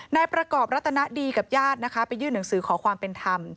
นายประกอบรัตนดีกับญาตินะคะไปยื่นหนังสือขอความเป็นธรรม